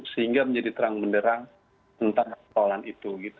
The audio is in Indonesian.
sehingga menjadi terang benderang tentang persoalan itu